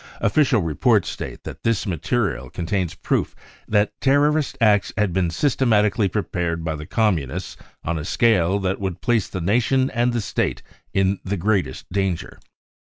Official reports state that this material con tains proof that terrorist acts had been systematically prepared by the Communists on a scale which would place the Nation and the State in the greatest danger.